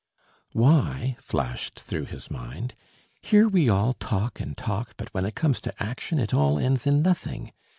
"Why," flashed through his mind, "here we all talk and talk, but when it comes to action it all ends in nothing.